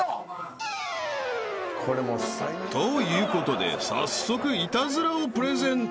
［ということで早速イタズラをプレゼント］